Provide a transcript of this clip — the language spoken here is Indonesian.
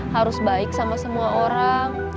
harus baik sama semua orang